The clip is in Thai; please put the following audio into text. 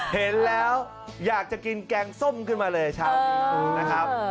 เห็นแล้วอยากจะกินแกงส้มขึ้นมาเลยเช้านี้นะครับ